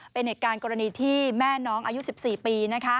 เป็นเหตุการณ์กรณีที่แม่น้องอายุ๑๔ปี